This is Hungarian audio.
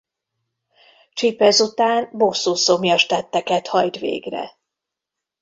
Chip ezután bosszúszomjas tetteket hajt végre.